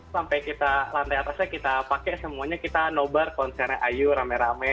sampai lantai atasnya kita pakai semuanya kita no barfeng konsernya iu rame rame